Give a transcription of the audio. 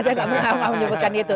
saya nggak mau menyebutkan itu